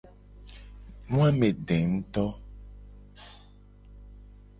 Nu a me de nguto.